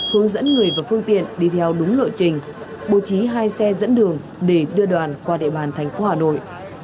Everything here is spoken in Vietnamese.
hướng dẫn người và phương tiện đi theo đúng lộ trình bố trí hai xe dẫn đường để đưa đoàn qua địa bàn thành phố hà nội